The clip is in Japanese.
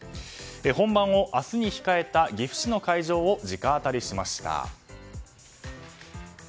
本番を明日に控えた岐阜市の会場を直アタリしました。